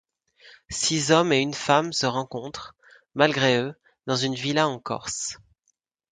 Six hommes et une femme se rencontrent, malgré eux, dans une villa en Corse.